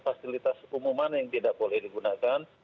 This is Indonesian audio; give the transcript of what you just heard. fasilitas umum mana yang tidak boleh digunakan